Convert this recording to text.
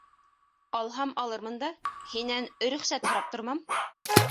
- Алһам алырмын да, һинән өрөхсәт һорап тормам.